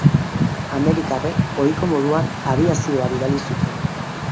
Amerikarrek ohiko moduan, abiazioa bidali zuten.